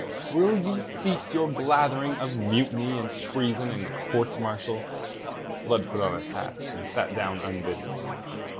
"Will you cease your blather of mutiny and treason and courts martial?" Blood put on his hat, and sat down unbidden.